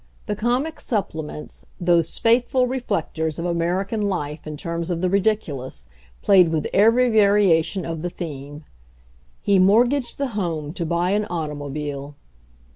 The comic supplements, those faithful reflectors of American life in terms of the ridiculous, played with every variation of the theme, "He mort gaged the home to buy an automobile."